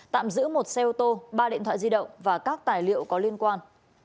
tạm giữ một xe ô tô ba điện thoại di động và các tài liệu có liên quan